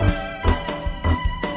kamu mau ke rumah